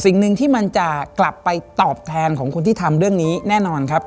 สิ่งหนึ่งที่มันจะกลับไปตอบแทนของคนที่ทำเรื่องนี้แน่นอนครับ